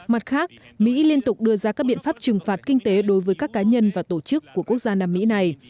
mặt khác mỹ liên tục đưa ra các biện pháp trừng phạt kinh tế đối với các cá nhân và tổ chức của quốc gia nam mỹ này